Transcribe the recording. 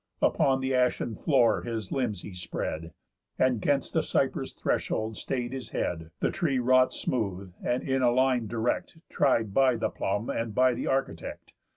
Upon the ashen floor his limbs he spread, And 'gainst a cypress threshold stay'd his head, The tree wrought smooth, and in a line direct Tried by the plumb and by the architect.